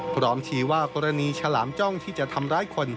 พร้อมชี้ว่ากรณีฉลามจ้องที่จะทำร้ายคน